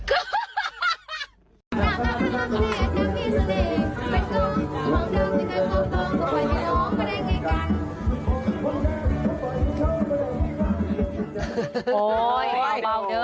โอ้ยเอาเบาเยอะ